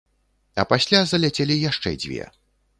А пасля заляцелі яшчэ дзве.